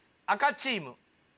赤チーム。